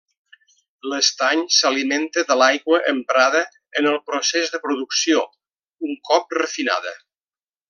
L'estany s'alimenta de l'aigua emprada en el procés de producció, un cop refinada.